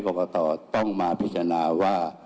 กรกตต้องมาพิจารณาว่า